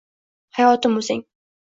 Bayotim o’zing.